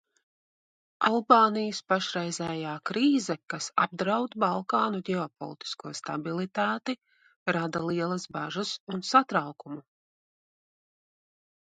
Albānijas pašreizējā krīze, kas apdraud Balkānu ģeopolitisko stabilitāti, rada lielas bažas un satraukumu.